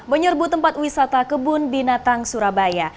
menyerbu tempat wisata kebun binatang surabaya